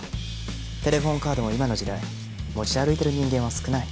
テレホンカードも今の時代持ち歩いてる人間は少ない。